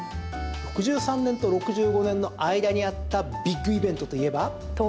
６３年と６５年の間にあったビッグイベントといえば？